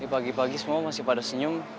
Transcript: pagi pagi semua masih pada senyum